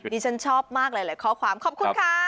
ดิฉันชอบมากหลายข้อความขอบคุณค่ะ